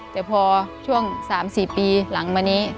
แต่พอช่วง๓๔ปีหลังมานี้